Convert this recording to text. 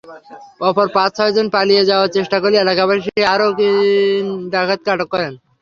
অপর পাঁচ-ছয়জন পালিয়ে যাওয়ার চেষ্টা করলে এলাকাবাসী আরও তিন ডাকাতকে আটক করেন।